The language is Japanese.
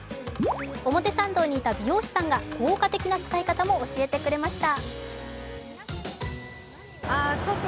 表参道にいた美容師さんが効果的な使い方を教えてくれました。